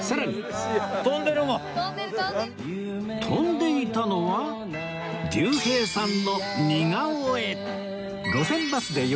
飛んでいたのは竜兵さんの似顔絵